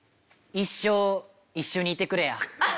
「一生一緒にいてくれや」